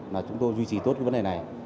là chúng tôi duy trì tốt cái vấn đề này